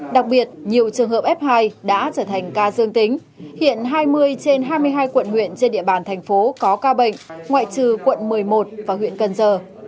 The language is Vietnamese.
đặc biệt nhiều trường hợp f hai đã trở thành ca dương tính hiện hai mươi trên hai mươi hai quận huyện trên địa bàn thành phố có ca bệnh ngoại trừ quận một mươi một và huyện cần giờ